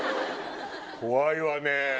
怖いわね。